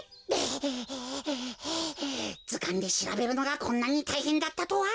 ずかんでしらべるのがこんなにたいへんだったとは！